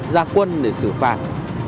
ra quân để xử phạt